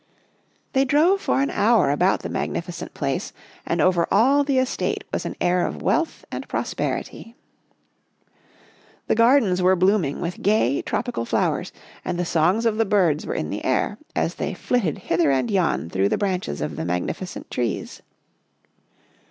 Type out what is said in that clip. They drove for an hour about the magnificent place, and over all the estate was an air of wealth and prosperity. The gardens were blooming with gay, trop ical flowers, and the songs of the birds were in the air, as they flitted hither and yon through the branches of the magnificent trees.